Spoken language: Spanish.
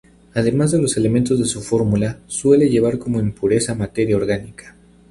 Además de los elementos de su fórmula, suele llevar como impureza materia orgánica.